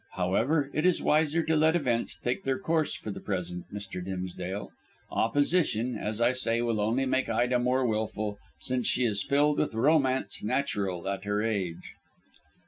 However, it is wiser to let events take their course for the present, Mr. Dimsdale. Opposition, as I say, will only make Ida more wilful, since she is filled with romance natural at her age."